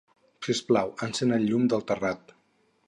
Sisplau, encén el llum del terrat.